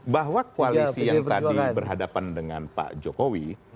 bahwa koalisi yang tadi berhadapan dengan pak jokowi